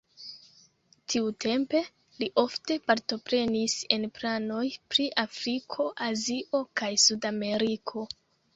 Tiutempe li ofte partoprenis en planoj pri Afriko, Azio kaj Sud-Ameriko.